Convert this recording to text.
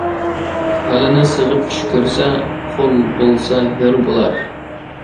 كالىنى سېغىپ چۈش كۆرسە، قول بولسا ھۆر بولار.